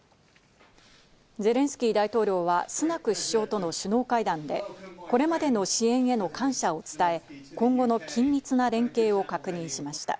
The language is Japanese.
ゼレンスキー大統領は、スナク首相との首脳会談で、これまでの支援への感謝を伝え、今後の緊密な連携を確認しました。